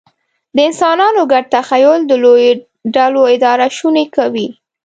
د انسانانو ګډ تخیل د لویو ډلو اداره شونې کوي.